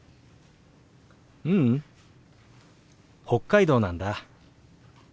ううん北海道なんだ。